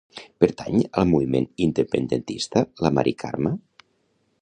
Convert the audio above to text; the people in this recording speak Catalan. Pertany al moviment independentista la Mari Carma?